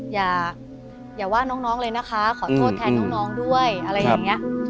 อย่าอย่าว่าน้องน้องเลยนะคะขอโทษแทนน้องน้องด้วยอะไรอย่างเงี้ย